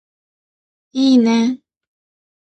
いーね